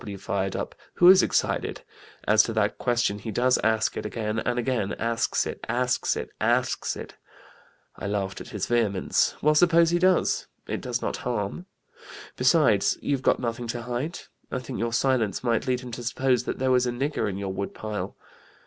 W. fired up 'Who is excited? As to that question, he does ask it again and again: asks it, asks it, asks it.' I laughed at his vehemence. 'Well, suppose he does? It does not harm. Besides, you've got nothing to hide. I think your silence might lead him to suppose there was a nigger in your wood pile.'